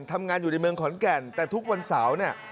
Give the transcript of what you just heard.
ทำงานอยู่ในเมืองขอนแก่นแต่ทุกวันเสาร์เนี่ย